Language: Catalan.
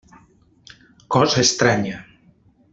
Cosa estranya!